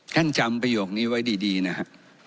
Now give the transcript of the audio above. ท่านจำประโยคนี้ไว้ดีนะฮะ